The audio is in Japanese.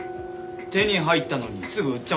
手に入ったのにすぐ売っちゃうんですか？